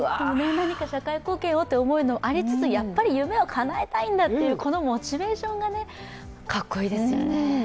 何か社会貢献をという思いもありつつ夢をかなえたいんだという、このモチベーションがかっこいいですよね。